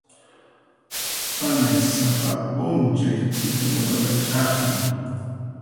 Panay sapa p'unchay t'ikakunata ch'akchun.